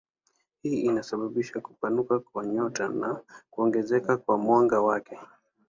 Hii inasababisha kupanuka kwa nyota na kuongezeka kwa mwangaza wake.